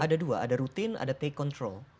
ada dua ada rutin ada take control